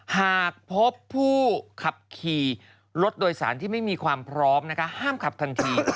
หากพบผู้ขับขี่รถโดยสารที่ไม่มีความพร้อมนะคะห้ามขับทันที